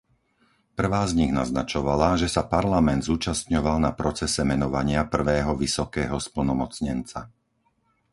Prvá z nich naznačovala, že sa Parlament zúčastňoval na procese menovania prvého vysokého splnomocnenca.